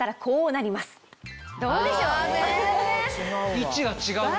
位置が違うね。